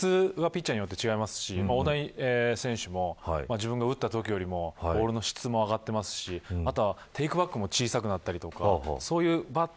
球の質はピッチャーによって違いますし大谷選手も自分が打ったときよりボールの質は上がっていますしテークバックも小さくなったりとか。